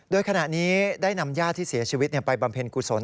โดยขณะนี้ได้นำญาติที่เสียชีวิตไปบำเพ็ญกุศล